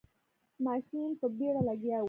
ماشین په بیړه لګیا و.